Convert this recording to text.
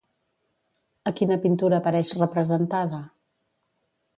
A quina pintura apareix representada?